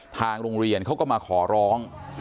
ทางโรงเรียนเขาก็มาขอร้อง